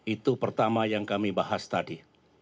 itu pertama yang kami bahas tadi